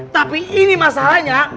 tapi ini masalahnya